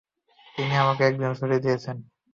তিনি আমাকে একদিনের ছুটি দিয়েছেন।